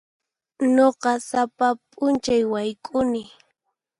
Nuqa sapa p'unchay wayk'uni.